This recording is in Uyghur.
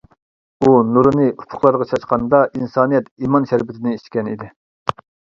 ئۇ نۇرىنى ئۇپۇقلارغا چاچقاندا، ئىنسانىيەت ئىمان شەربىتىنى ئىچكەن ئىدى.